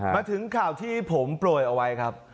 มาถึงข่าวที่ผมโปรยเอาไว้ครับ